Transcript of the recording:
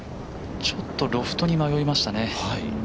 ちょっとロフトに迷いましたね。